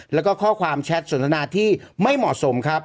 แล้วก็ข้อความแชทสนทนาที่ไม่เหมาะสมครับ